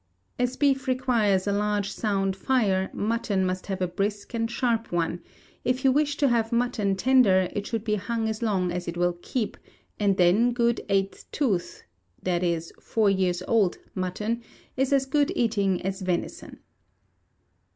As beef requires a large sound fire, mutton must have a brisk and sharp one: if you wish to have mutton tender it should be hung as long as it will keep, and then good eight tooth (i.e.,four years old) mutton, is as good eating as venison.